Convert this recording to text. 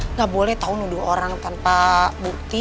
nggak boleh tahu nuduh orang tanpa bukti